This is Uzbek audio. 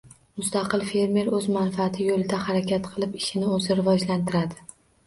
Mustaqil fermer o‘z manfaati yo‘lida harakat qilib, ishini o‘zi rivojlantiradi.